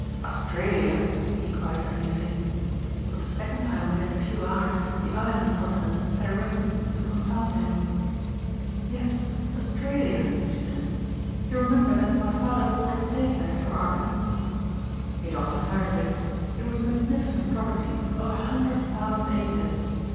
"Australia?" he cried uneasily. For the second time within a few hours the island continent had arisen to confound him. "Yes, Australia," she said. "You remember that my father bought a place there for Arthur?" He had often heard of it. It was a magnificent property of a hundred thousand acres.